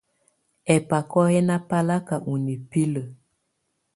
Ɛ́bakɔ́ yɛ́ ná báláká ɔ́ nibilǝ́.